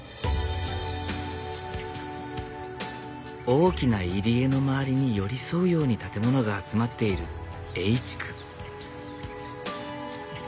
大きな入り江の周りに寄り添うように建物が集まっている江井地区。